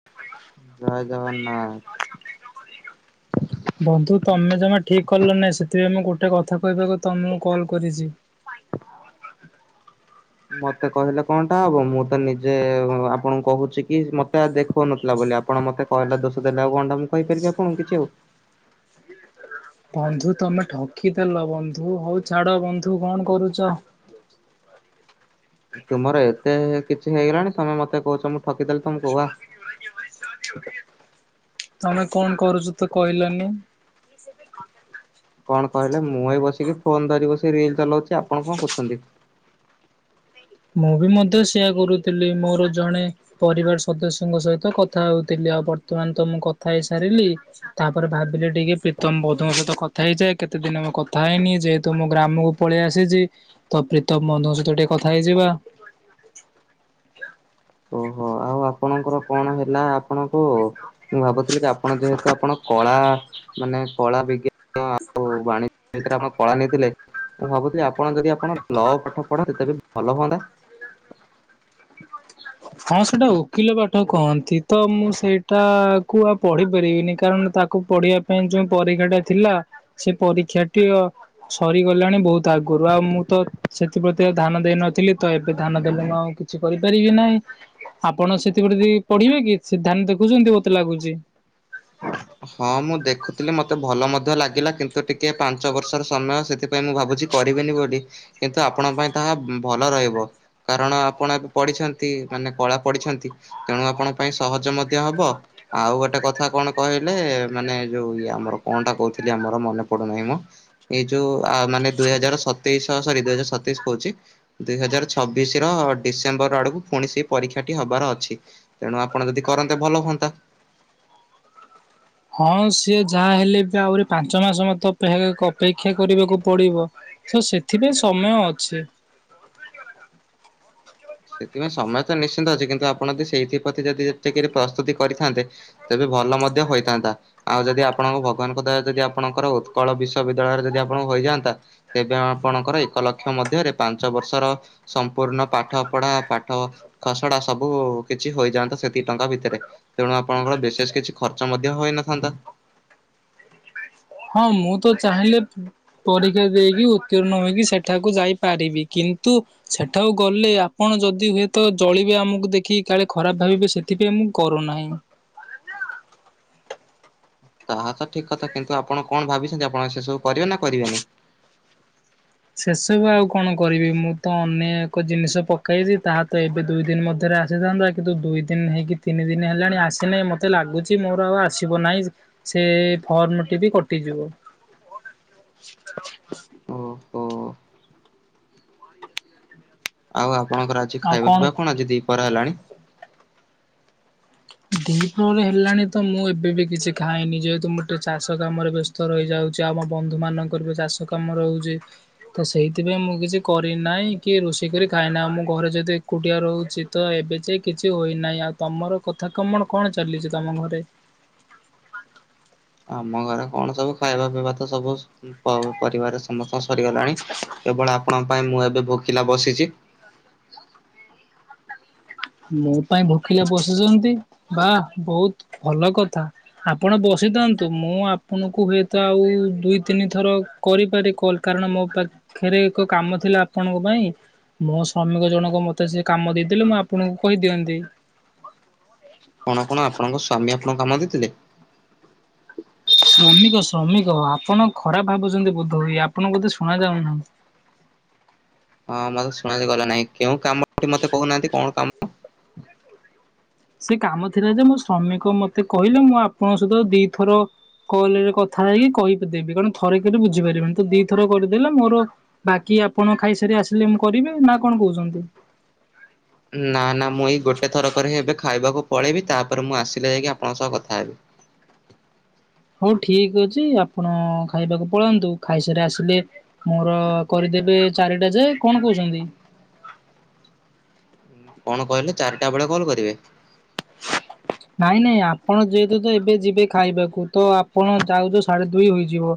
[inaudible] ଜୟ ଜଗନ୍ନାଥ ବନ୍ଧୁ ତମେ ଜମା ଠିକ୍ କଲ ନାହିଁ ସେଥିପାଇଁ ମୁଁ ଗୋଟେ କଥା କହିବାକୁ ତମକୁ କଲ୍ କରିଛି। ମତେ କହିଲେ କଣଟା ହବ ମୁଁ ତ ନିଜେ ଆପଣଙ୍କୁ କହୁଛି କି ମତେ ଦେଖାଉନଥିଲା ବୋଲି। ଆପଣ ମତେ କହିଲେ ଦୋଷ ଦେଲେ ଆଉ ଗଣ୍ଡା ମୁଁ କହିପାରିବି ଆପଣ କିଛି ଆଉ? ବନ୍ଧୁ ତମେ ଠକିଦେଲ ବନ୍ଧୁ। ହଉ ଛାଡ଼ ବନ୍ଧୁ କଣ କରୁଛ? ତୁମର ଏତେ କିଛି ହେଇଗଲାଣି ତମେ ମତେ କହୁଛ ମୁଁ ଠକିଦେଲି ତମକୂ, ୱାହ। [inaudible] ତମେ କଣ କରୁଛ ତୁ କହିଲନି? ସେ କ କଣ କହିଲେ ମୁଁ ହଇ ବସିକି ଫୋନ ଧରି ବସି ରିଲ ଚଲାଉଛି, ଆପଣ କଣ କହୁଛନ୍ତି? ମୁଁ ବି ମଧ୍ୟ ସେୟା କରୁଥିଲି। ମୋର ଜଣେ ପରିବାର ସଦସ୍ୟଙ୍କ ସହିତ କଥା ହଉଥିଲି ଆଉ ବର୍ତ୍ତମାନ ତ ମୁଁ କଥା ହେଇ ସାରିଲି। ତାପରେ ଭାବିଲେ ଟିକେ ପ୍ରୀତମ ବଧୁଙ୍କ ସହିତ କଥା ହେଇଯାଏ। କେତେ ଦିନ ମୁ କଥା ହେଇନି ଯେହେତୁ ମୁଁ ଗ୍ରାମକୁ ପଳେଇ ଆସିଛି ତ ପ୍ରୀତମ ବନ୍ଧୁଙ୍କ ସହିତ ଟିକେ କଥା ହେଇଯିବା। ଓହ ଆ ଆଉ ଆପଣଙ୍କର କଣ ହେଲା ଆପଣଙ୍କୁ ମୁଁ ଭାବୁଥିଲି କି ଆପଣ ଯେହେତୁ ଆପଣ କଳା ମାନେ କଳା ବିଜ୍ଞାନ ଆଉ ବାଣିଜ୍ୟ ଭିତରେ ଆପଣ କଳା ନେଇଥିଲେ। ମୁଁ ଭାବୁଥିଲି ଆପଣ ଯଦି ଆପଣ ଲ ପାଠ ପଢନ୍ତି ତେବେ ଭଲ ହୁଅନ୍ତା। ହଁ ସେଇଟା ଓକିଲ ପାଠ କହନ୍ତି ତ ମୁଁ ସେଇଟା କୁ ଆଉ ପଢି ପାରିବିନି। କାରଣ ତାକୁ ପଢିବା ପାଇଁ ଯୋଉ ପରୀକ୍ଷା ଟା ଥିଲା ସେ ପରୀକ୍ଷାଟି ସରିଗଲାଣି ବହୁତ ଆଗରୁ। ଆଉ ମୁଁ ତ ସେଥିପ୍ରତି ଆଉ ଧାନ ଦେଇନଥିଲି, ତ ଏବେ ଧାନ ଦେଲୁ ମୁଁ ଆଉ କିଛି କରିପାରିବି ନାହିଁ। ଆପଣ ସେଥି ଗୋଟେ ରେଇ ପଢ଼ିବେ କି ସେ ଧ୍ୟାନ୍ ଦେଖୁଚନ୍ତି ମତେ ଲାଗୁଚି। ହଁ ମୁଁ ଦେଖୁଥିଲି ମତେ ଭଲ ମଧ୍ୟ ଲାଗିଲା କିନ୍ତୁ ଟିକେ ପାଞ୍ଚ ବର୍ଷର ସମୟ ସେଥିପାଇଁ ମୁଁ ଭାବୁଚି କରିବିନି ବୋଲି କିନ୍ତୁ ଆପଣଙ୍କ ପାଇଁ ତାହା ଭଲ ରହିବ। କାରଣ ଆପଣ ଏବେ ପଢ଼ିଛନ୍ତି ମାନେ କଳା ପଢ଼ିଛନ୍ତି। ତେଣୁ ଆପଣଙ୍କ ପାଇଁ ସହଜ ମଧ୍ୟ ହବ ଆଉ ଗୋଟେ କଥା କଣ କହିଲେ ମାନେ ଯୋଉ ଇଏ ଆମର କଣଟା କହୁଥିଲି ଆମର ମନେ ପଡୁନେଇ ମ ଏଇ ଯୋଉ ଆ ମାନେ ଦୁଇ ହଜାର ସତେଇଶ ସରି ଦୁଇ ହଜାର ସତେଇଶ କହୁଚି ଦୁଇ ହଜାର ଛବିଶର ଡିସେମ୍ବର୍ ଆଡ଼ୁକୁ ଫୁଣି ସେଇ ପରୀକ୍ଷାଟି ହବାର ଅଛି। ତେଣୁ ଆପଣ ଯଦି କରନ୍ତେ ଭଲ ହୁଅନ୍ତା। ହଁ ସିଏ ଯାହା ହେଲେ ବି ଆହୁରି ପାଞ୍ଚ ମାସ ମତେ ଅପେକ୍ଷା କ ଅପେକ୍ଷା କରିବାକୁ ପଡ଼ିବ। ସ ସେଥିପାଇଁ ସମୟ ଅଛି। ସେଥିପାଇଁ ସମୟ ତ ନିଶ୍ଚିନ୍ତ ଅଛି କିନ୍ତୁ ଆପଣ ଦି ସେଇଥିପ୍ରତି ଯଦି ଯେତିକିରେ ପ୍ରସ୍ତୁତି କରିଥାନ୍ତେ ତେବେ ଭଲ ମଧ୍ୟ ହୋଇଥାନ୍ତା। ଆଉ ଯଦି ଆପଣଙ୍କ ଭଗବାନଙ୍କ ଦୟାରୁ ଯଦି ଆପଣଙ୍କର ଉତ୍କଳ ବିଶ୍ୱବିଦ୍ୟାଳୟରେ ଯଦି ଆପଣଙ୍କୁ ହୋଇଯାଆନ୍ତା ତେବେ ଆଉ ଆପଣଙ୍କର ଏକ ଲକ୍ଷ ମଧ୍ୟରେ ପାଞ୍ଚ ବର୍ଷର ସମ୍ପୂର୍ଣ୍ଣ ପାଠ ପଢ଼ା ପାଠ ଖସଡ଼ା ସବୁ କିଛି ହୋଇଯାଆନ୍ତା ସେତିକି ଟଙ୍କା ଭିତରେ। ତେଣୁ ଆପଣଙ୍କର ବିଶେଷ କିଛି ଖର୍ଚ୍ଚ ମଧ୍ୟ ହୋଇନଥାନ୍ତା। ହଁ ମୁଁ ତ ଚାହିଁଲେ ଉଁ ପରୀକ୍ଷା ଦେଇକି ଉତ୍ତୀର୍ଣ୍ଣ ହୋଇକି ସେଠାକୁ ଯାଇପାରିବି କିନ୍ତୁ ସେଠାକୁ ଗଲେ ଆପଣ ଯଦି ହୁଏତ ଜଳିବେ ଆମୁକୁ ଦେଖି କାଳେ ଖରାପ ଭାବିବେ ସେ ଥିପାଇଁ ମୁଁ କରୁନାହିଁ। ତାହା ତ ଠିକ୍ କଥା କିନ୍ତୁ ଆପଣ କଣ ଭାବିଛନ୍ତି ଆପଣ ସେ ସବୁ କରିବେ ନା କରିବେନି? ସେସବୁ ଆଉ କଣ କରିବି ମୁଁ ତ ଅନେକ ଜିନିଷ ପକାଇଚି ତାହା ତ ଏବେ ଦୁଇ ଦିନ ମଧ୍ୟରେ ଆସିଥାନ୍ତା। କିତୁ ଦୁଇ ଦିନ ହେଇକି ତିନି ଦିନି ହେଲାଣି ଆସିନେଇ ମତେ ଲାଗୁଚି ମୋର ଆଉ ଆସିବ ନାଇଁ। ସେ ଫର୍ମ ଟି ବି କଟିଯିବ। ଓହୋ। ଆଉ ଆପଣଙ୍କର ଆଜି ଖାଇବା ପିଇବା କଣ ଆଜି ଦିପଅର ହେଲାଣି? ଦିହି ପ୍ରହର ହେଲାଣି ତ ମୁଁ ଏବେ ବି କିଛି ଖାଇନି ଯେହେତୁ ମୁଁ ଟେ ଚାଷ କାମରେ ବ୍ୟସ୍ ତ ରହିଯାଉଚି ଆମ ବନ୍ଧୁମାନଙ୍କର ଚାଷ କାମ ରହୁଚି। ତ ସେହିତିପାଇଁ ମୁଁ କିଛି କରିନାହିଁ କି ରୋଷେଇ କରି ଖାଏନା ଆଉ ମୁଁ ଘରେ ଯଦି ଏକୁଟିଆ ରହୁଚି ତ ଏବେ ଯାଇ କିଛି ହୋଇନାହିଁ। ଆଉ ତମର କଥା କମଣ କଣ ଚାଲିଚି ତମ ଘରେ? ଆମ ଘରେ କଣ ସବୁ ଖାଇବା ପିଇବା ତ ସବୁ ସ୍ ପ ପରିବାର ସମସ୍ତଙ୍କ ସରିଗଲାଣି କେବଳ ଆପଣଙ୍କ ପାଇଁ ମୁଁ ଏବେ ଭୋକିଲା ବସିଚି। ମୋ ପାଇଁ ଭୋକିଲା ବସୁଚନ୍ତି ବା ବହୁତ ଭଲ କଥା। ଆପଣ ବସିଥାନ୍ତୁ ମୁଁ ଆପଣଙ୍କୁ ହୁଏତ ଆଉ ଦୁଇ ତିନି ଥର କରିପାରେ କଲ୍ କାରଣ ମୋ ପାଖେରେ ଏକ କାମ ଥିଲା ଆପଣଙ୍କ ପାଇଁ। ମୋ ଶ୍ରମିକ ଜଣକ ମତେ ସେ କାମ ଦେଇଥିଲେ ମୁଁ ଆପଣଙ୍କୁ କହିଦିଅନ୍ତି। କଣ କଣ ଆପଣଙ୍କ ସ୍ଵାମୀ ଆପଣ କାମ ଦେଇଥିଲେ? ଶ୍ରମିକ ଶ୍ରମିକ ଆପଣ ଖରାପ ଭାବୁଛନ୍ତି ବୋଧ ହୁଏ ଆପଣ କୋଧେ ଶୁଣା ଯାଉନାହିଁ। ହଁ ମତେ ଶୁଣା ଯେ ଗଲା ନାହିଁ କେଉଁ କାମ ଟି ମତେ କହୁନାହାନ୍ତି କଣ କାମ? ସେ କାମ ଥିଲା ଯେ ମୋ ଶ୍ରମିକ ମତେ କହିଲେ ମୁଁ ଆପଣଙ୍କ ସହିତ ଦିଥର କଲ୍ ରେ କଥା ହେଇକି କହି ଦେବି କାରଣ ଖରେ କେବେ ବୁଝିପାରିବନି ତ ଦିଥର କରିଦେଲେ ମୋର ବାକି ଆପଣ ଖାଇସାରି ଆସିଲେ ମୁ କରିବେ ନାଁ କଣ କହୁଚନ୍ତି? ଉଁ ନା ନା ମୁଁ ଏଇ ଗୋଟେ ଥର କରି ହେବେ ଖାଇବାକୁ ପଳେଇବି ତାପରେ ମୁଁ ଆସିଲେ ଯାଇକି ଆପଣଙ୍କ ସହ କଥା ହେବି। ହଉ ଠିକ୍ ଅଛି ଆପଣ ଖାଇବାକୁ ପଳାନ୍ତୁ ଖାଇସାରି ଆସିଲେ ମୋର କରିଦେବେ ଚାରିଟା ଯେ କଣ କହୁଛନ୍ତି? କଣ କହିଲେ ଚାରିଟା ବେଳେ କଲ୍ କରିବେ? ନାଇଁ ନାଇଁ ଆପଣ ଯେହେତୁ ତ ଏବେ ଯିବେ ଖାଇବାକୁ ତ ଆପଣ ଯାଉ ଯାଉ ସାଢ଼େ ଦୁଇ ହୋଇଯିବ।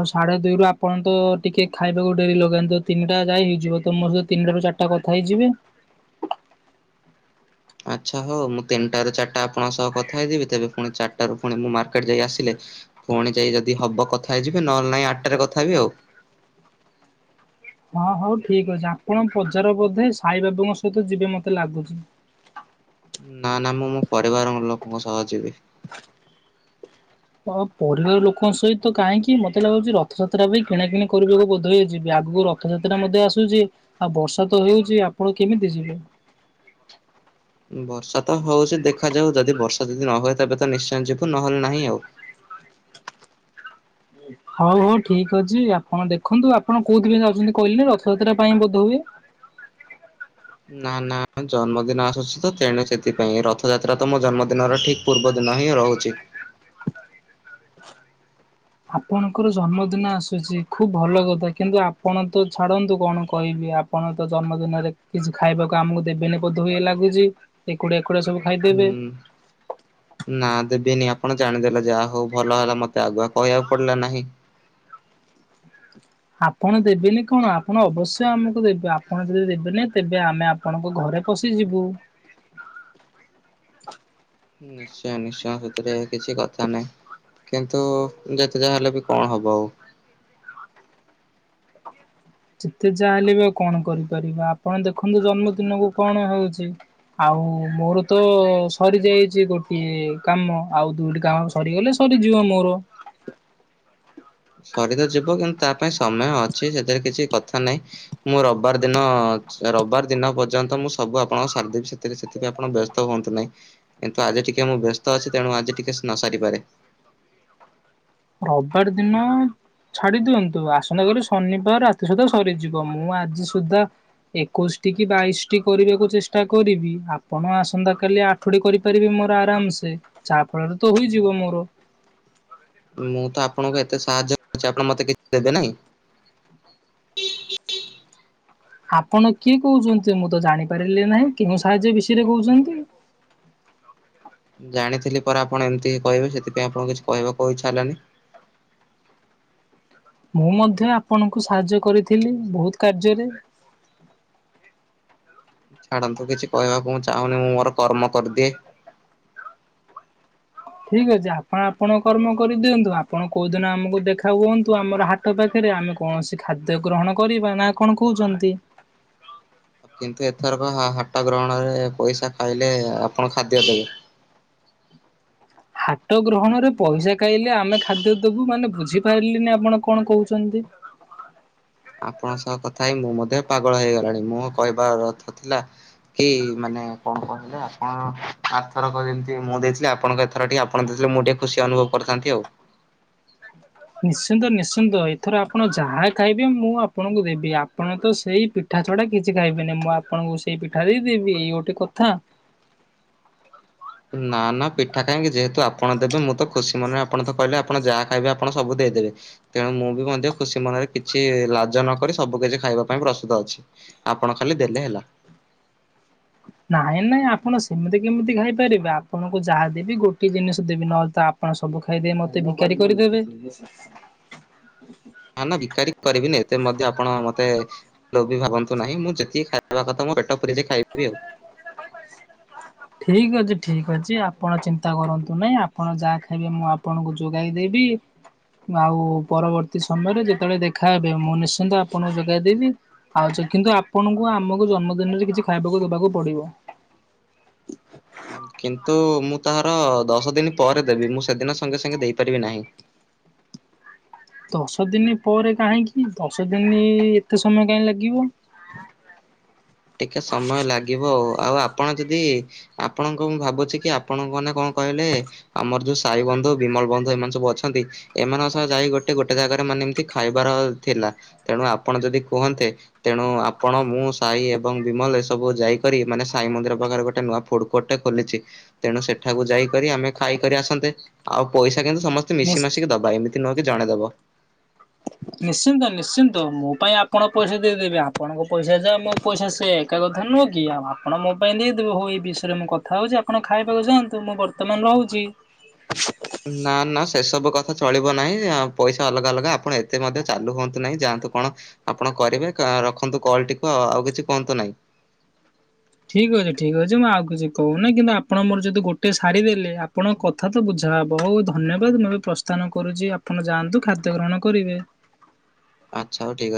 ଆଉ ସାଢ଼େ ଦୁଇରୁ ଆପଣ ତ ଟିକେ ଖାଇବାକୁ ଡେରି ଲଗାନ୍ ଯ ତିନଟା ଯାଇ ହେଇଯିବ ତ ମୋର ସେ ତିନଟାରୁ ଚା ଟା କଥା ହେଇଯିବେ। ଆଚ୍ଛା ହଉ ମୁଁ ତିନିଟାରୁ ଚାରଟା ଆପଣଙ୍କ ସହ କଥା ହେଇଯିବି ତେବେ ପୁଣି ଚାରଟାରୁୁ ପୁଣି ମୁଁ ମାର୍କେଟ୍ ଯାଇ ଆସିଲେ ପୁଣି ଯାଇ ଯଦି ହବ କଥା ହେଇଯିବେ ନହେଲେ ନାଇଁ ଆଠଟାରେ କଥା ହେବି ଆଉ। ହଁ ହଉ ଠିକ ଅଛି। ଆପଣ ବଜାର ବୋଧେ ସାଇ ବାବୁଙ୍କ ସହିତ ଯିବେ ମତେ ଲାଗୁଛି। ନା ନା ମୁଁ ମୋ ପରିବାର ଲୋକଙ୍କ ସହ ଯିବି। ଅ ପରିବାର ଲୋକଙ୍କ ସହିତ କାହିଁକି ମତେ ଲାଗୁଛି। ରଥଯାତ୍ରା ପାଇଁ କିଣାକିଣି କରିବାକୁ ବୋଧେ ହେଇଯିବ ଆଗକୁ ରଥଯାତ୍ରା ମଧ୍ୟ ଆସୁଛି ଆଉ ବର୍ଷା ତ ହେଉଛି ଆପଣ କେମିତି ଯିବେ? ବର୍ଷା ତ ହଉଛି ଦେଖାଯାଉ ଯଦି ବର୍ଷା ଯଦି ନ ହୁଏ ତେବେ ତ ନିଶ୍ଚୟ ଯିବୁ ନହେଲେ ନାହିଁ ଆଉ। ହଉ ହଉ ଠିକ୍ ଅଛି ଆପଣ ଦେଖନ୍ତୁ ଆପଣ କୋଉଥିପାଇଁ ଯାଉଛନ୍ତି। କହିଲେ ରଥଯାତ୍ରା ପାଇଁ ବୋଧ ହୁଏ। ନା ନା ଜନ୍ମଦିନ ଆସୁଛି ତେଣୁ ସେଥିପାଇଁ ରଥଯାତ୍ରା ତ ମୋ ଜନ୍ମଦିନର ଠିକ ପୂର୍ବଦିନ ହିଁ ରହୁଛି। ଆପଣଙ୍କର ଜନ୍ମଦିନ ଆସୁଛି ଖୁବ ଭଲ କଥା କିନ୍ତୁ ଆପଣ ତ ଛାଡନ୍ତୁ କଣ କହିବି। ପଣ ତ ଜନ୍ମଦିନରେ କିଛି ଖାଇବାକୁ ଆମକୁ ଦେବେନି ବୋଦ ହୁଏ ଲାଗୁଛି। ଏକୁଡିଆ ଏକୁଡିଆ ସବୁ ହୁଁ ଖାଇଦେବେ। ନା ଦେବିନି ଆପଣ ଜାଣିଦେଲେ ଯାହା ହଉ ଭଲ ହେଲା ମତେ ଆଗୁଆ କହିବାକୁ ପଡିଲା ନାହିଁ। ଆପଣ ଦେବେନି କଣ ଆପଣ ଅବଶ୍ୟ ଆମକୁ ଦେବେେ ଆପଣ ଯଦି ଦେବେନି ତେବେ ଆମେ ଆପଣଙ୍କ ଘରେ ପଶିଯିବୁ। ନିଶ୍ଚୟ ନିଶ୍ଚୟ ସେଥିରେ କିଛି କଥା ନାହିଁ। କିନ୍ତୁ ଯେତେ ଯାହା ହେଲେ ବି ଓ ହେବ ଆଉ। ଯେତେ ଯାହା ହେଲେ ବି ଆଉ କଣ କରିପାରିବା ଆପଣ ଦେଖନ୍ତୁ ଜନ୍ମଦିନକୁ କଣ ହଉଛି। ଆଉ ମୋର ତ ସରି ଯାଇଛି। ଗୋଟିଏ କାମ ଆଉ ଦୁଇଟି କାମ ସରିଗଲେ ସରିଯିବ ମୋର। ସରି ତ ଯିବ କିନ୍ତୁ ତା ପାଇଁ ସମୟ ଅଛି ସେଥିରେ କିଛି କଥା ନାହିଁ। ମୁଁ ରବିବାର ଦିନ ରବିବାର ଦିନ ପର୍ଯ୍ୟନ୍ତ ମୁଁ ସବୁ ଆପଣଙ୍କ ସାରିଦେବି ସେଥିରେ ସେଥିପାଇଁ ଆପଣ ବ୍ୟସ୍ତ ହୁଅନ୍ତୁ ନାହିଁ କିନ୍ତୁ ଆଜି ଟିକେ ମୁଁ ବ୍ୟସ୍ତ ଅଛି ତେଣୁ ଆଜି ଟିକେ ନ ସାରିପାରେ। ରବିବାର ଦିନ ଛାଡି ଦିଅନ୍ତୁ। ଆସନ୍ତା କଲି ଶନିବାର ରାତି ସୁଦ୍ଧା ସରିଯିବ ମୁଁ ଆଜି ସୁଦ୍ଧା ଏକୋଇଶଟି କି ବାଇଶ ଟି କରିବାକୁ ଚେଷ୍ଟା କରିବି। ଆପଣ ଆସନ୍ତାକାଲି ଆଠ ଠୁ କରିପାରିବି ମୋର ଆରାମ ସେେ ଯାହା ଫଳରେ ତ ହେଇଯିବ ମୋର। ମୁଁ ତ ଆପଣଙ୍କୁ ଏତେ ସାହାଯ୍ୟ କରୁଛି ଆପଣ ମତେ କିଛି ଦେବେ ନହିଁ। ଆପଣ କିଏ କହୁଛନ୍ତି ମୁଁ ତ ଜାଣିପାରିଲି ନାହିଁ କେଉଁ ସାହାଯ୍ୟ ବିଷୟରେ କହୁଛନ୍ତି। ଜାଣିଥିଲି ପରା ଆପଣ ଏମିତି କହିବେ ସେଥିପାଇଁ ଆଣ କିଛି କହିବାକୁ ଇଚ୍ଛା ହେଲାନି। ମୁଁ ମଧ୍ୟ ଆପଣଙ୍କୁ ସାହାଯ୍ୟ କରିଥିଲି ବହୁତ କାର୍ଯ୍ୟରେ। ଛାଡନ୍ତୁ କିଛି କହିବାକୁ ମୁଁ ଚାହୁଁନି ମୁଁ ମୋର କର୍ମ କରିଦିଏ। ଠିକ ଅଛି ଆପଣ ଆପଣ କର୍ମ କରିଦିଅନ୍ତୁ ଆପଣ କୋଉଦିନ ଆମକୁ ଦେଖା ହୁଅନ୍ତୁ ଆମର ହା ପାଖରେ ଆମେ କୌଣସି ଖାଦ୍ୟ ଗ୍ରହଣ କରିବା ନା କଣ କହୁଛନ୍ତି? କିନ୍ତୁ ଏଥରକ ହାଟ ଗ୍ରହଣରେ ପଇସା ଖାଇଲେ ଆପଣ ଖାଦ୍ୟ ଦେବେ। ହାଟ ଗ୍ରହଣରେ ପଇସା ଖାଇଲେ ଆମେ ଖାଦ୍ୟ ଦବୁ ମାନେ ବୁଝିପାରିଲିନି ଆପଣ କଣ କହୁଛନ୍ତି। ଆପଣଙ୍କ ସହ କଥା ହେଇ ମୁଁ ମଧ୍ୟ ପାଗଳ ହେଇଗଲାଣି ମୋ କହିବାର ଅର୍ଥ ଥିଲା କି ମାନେ କଣ କଥିଲେ ଆପଣ ଆରଥର କ ଯେମତି ମୁଁ ଦେଇଥିଲି ଆପଣଙ୍କ ର ଟିକ ଆପଣ ଦେଥିଲେ ମୁ ଟିକେ ଖୁସି ଅନୁଭବ କରିଥାନ୍ତି ଆଉ। ନିଶ୍ଚିନ୍ତ ନିଶ୍ଚିନ୍ତ ଏଥର ଆପଣ ଯାହା ଖାଇବେ ମୁଁ ଆପଣଙ୍କୁ ଦେବି ଆପଣ ତ ସେଇ ପି ପିଠା ଚଢା କିଛି ଖାଇବିନି ମୁଁ ଆପଣଙ୍କୁ ସେଇ ପିଠା ଦେଇଦେବି ଇଏ ଗୋଟେ କଥା। ନା ନା ପିଠା କାହିଁକି ଯେହେତୁ ଆପଣ ଦେବେ ମୁଁ ତ ଖୁସି ମନେରେ ଆପଣ ତ କହିଲେ ଆପଣ ଯାହା ଖାଇବେ ଆପଣ ସବୁ ଦେଇଦେବେ ତେଣୁ ମୁଁ ବି ମଧ୍ୟ ଖୁସି ମନରେ କିଛି ଲାଜ ନକରି ସବୁ କିଛି ଖାଇବା ପାଇଁ ପ୍ରସ୍ତୁତ ଅଛି। ଆପଣ ଖାଲି ଦେଲେ ହେଲା। ନାଇଁ ନାଇଁ ଆପଣ ସେମିତି କେମିତି ଖାଇପାରିବେ ଆପଣଙ୍କୁ ଯାହା ଦେବି ଗୋଟେ ଜିନିଷ ଦେବି ନହେଲେ ତ ଆପଣ ସବୁ ଖାଇଦେବେ ମତେ ଭିକାରୀ କରିଦେବେ। ନା ନା ବିକାରୀ କରିବିନି ଏତେ ମଧ୍ୟ ଆପଣ ମତେ ଲୋ ବି ଭାବୁ ନାହିଁ ଯେତିକି ଖାଇବା କଥା ପେଟ ପୁରେଇ ଖାଇଦେବୀ ଆଉ। ଠିକ୍ ଅଛି ଠିକ୍ ଅଛି ଆପଣ ଚିନ୍ତା କରନ୍ତୁ ନାହିଁ। ଆପଣ ଯାହା ଖାଇବେ ମୁଁ ଆପ୍ ଆପଣଙ୍କୁ ଯୋଗାଇଦବି। ଆଉ ପରବର୍ତ୍ତୀ ସମୟରେ ଯେତେବେଳେ ଦେଖାହବେ ମୁଁ ନିଶ୍ଚିନ୍ତ ଆପଣଙ୍କୁ ଯୋଗାଇଦବି। ଆଉଚେ କିନ୍ତୁ ଆପଣଙ୍କୁ ଆମକୁ ଜନ୍ମଦିନରେ କିଛି ଖାଇବାକୁ ଦେବାକୁ ପଡିବ। କିନ୍ତୁ ମୁଁ ତାହାର ଦଶ ଦିନ ପରେ ଦେବି ମୁଁ ସେଦିନ ସଙ୍ଗେ ସଙ୍ଗେ ଦେଇପାରିବି ନାହିଁ। ଦଶ ଦିନି ପରେ କାହିଁକି ଦଶ ଦିନି ଏତେ ସମୟ କାହିଁ ଲାଗିବ? ଟିକେ ସମୟ ଲାଗିବ ଆଉ ଆପଣ ଯଦି ଆପଣଙ୍କୁ ମୁଁ ଭାବୁଛି କି ଆପଣଙ୍କ ମାନେ କଣ କହିଲେ? ଆମର ଯୋଉ ସାଇ ବନ୍ଧୁ ବିମଳ ବନ୍ଧୁ ଏମାନେ ସବୁ ଅଛନ୍ତି ଏମାନଙ୍କ ସହ ଯାଇ ଗୋଟେ ଗୋଟେ ଜାଗାରେ ମାନେ ଏମିତି ଖାଇବାର ଥିଲା। ତେଣୁ ଆପଣ ଯଦି କୁହନ୍ତେ ତେଣୁ ଆପଣ ମୁଁ ସାଇ ଏବଂ ବିମଲ ଏ ସବୁ ଯାଇକରି ମାନେ ସାଇ ମନ୍ଦିର ପାଖରେ ଗୋଟେ ନୂଆ ଫୁଡ କୋର୍ଟଟେ ଖୋଲିଚି। ତେଣୁ ସେଠାକୁ ଯାଇକରି ଆମେ ଖାଇକରି ଆସନ୍ତେ। ଆଉ ପଇସା କିନ୍ତୁ ସମସ୍ତ୍ ସ୍ତେ ନିଶ୍ଚ ମିଶିମାଶିକି ଦବା ଏମିତି ନୁହଁ କି ଜଣେ ଦବ। ନିଶ୍ଚିନ୍ତ ନିଶ୍ଚିନ୍ତ ମୋ ପାଇଁ ଆପଣ ପଇସା ଦେଇଦେବେ। ଆପଣଙ୍କ ପଇସା ଯାହା ମୋ ପଇସା ସେକ୍। ଏକା କଥା ନୁହେଁ କି ଆପଣ ମୋ ପାଇଁ ଦେଇବେ ହଉ ଏଇ ବିଷୟରେ ମୁଁ କଥା ହେଉଛି ଆପଣ ଖାଇବାକୁ ଯାଆନ୍ତୁ ମୁଁ କରୁ ତମମାନେ ରହୁଚି। ନା ନା ସେସବୁ କଥା ଚଳିବ ନାହିଁ। ପଇସା ଅଲଗା ଅଲଗା ଆପଣ ଏତେ ମଧ୍ୟ ଚାଲୁ ହୁଅନ୍ତୁ ନାହିଁ। ଯାଆନ୍ତୁ କଣ? ଆପଣ କରିବେ ରଖନ୍ତୁ କଲ୍ ଟିକୁ ଆଉ କିଛି କୁହନ୍ତୁ ନାହିଁ। ଠିକ୍ ଅଛି ଠିକ୍ ଅଛି ମୁଁ ଆଉ କିଛି କହୁ ନାଇ କିନ୍ତୁ ଆପଣ ମୋର ଯଦି ଗୋଟେ ଶାଡୀ ଦେଲେ ଆପଣ କ କଥା ତ ବୁଝାହବ। ହଉ ଧନ୍ୟବାଦ। ମୁଁ ପ୍ରସ୍ଥାନ କରୁଛି ଆପଣ ଯାଆନ୍ତୁ ଖାଦ୍ୟ ଗ୍ରହଣ କରିବେ। ଆଛା ହଉ ଠିକ୍ ଅଛି।